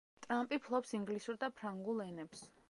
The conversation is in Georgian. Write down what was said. ტრამპი ფლობს ინგლისურ და ფრანგულ ენებს.